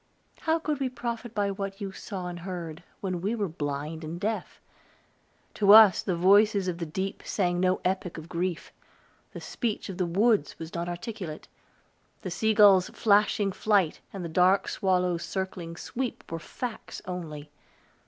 How could we profit by what you saw and heard, when we were blind and deaf? To us, the voices of the deep sang no epic of grief; the speech of the woods was not articulate; the sea gull's flashing flight, and the dark swallow's circling sweep, were facts only.